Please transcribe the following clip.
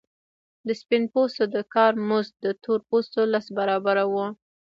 د سپین پوستو د کار مزد د تور پوستو لس برابره وو